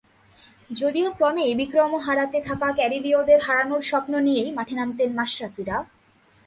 যদিও ক্রমেই বিক্রম হারাতে থাকা ক্যারিবীয়দের হারানোর স্বপ্ন নিয়েই মাঠে নামতেন মাশরাফিরা।